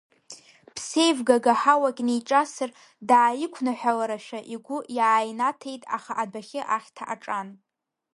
Ԥсеивгага ҳауак неиҿасыр, дааиқәнаҳәаларашәа игәы иааинаҭеит, аха адәахьы ахьҭа аҿан.